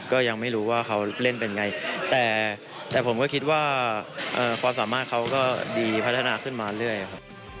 ก็ยังไม่รู้ว่าเขาเล่นเป็นไงแต่ผมก็คิดว่าความสามารถเขาก็ดีพัฒนาขึ้นมาเรื่อยครับ